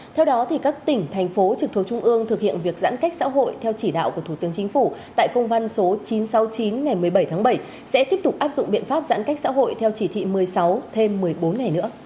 theo đó các tỉnh thành phố trực thuộc trung ương thực hiện việc giãn cách xã hội theo chỉ đạo của thủ tướng chính phủ tại công văn số chín trăm sáu mươi chín ngày một mươi bảy tháng bảy sẽ tiếp tục áp dụng biện pháp giãn cách xã hội theo chỉ thị một mươi sáu thêm một mươi bốn ngày nữa